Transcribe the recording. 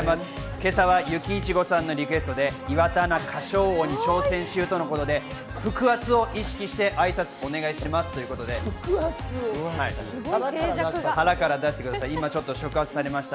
今朝はゆきいちごさんのリクエストで岩田アナが『歌唱王』に挑戦中とのことで、腹圧を意識して挨拶をお願いしますということでした。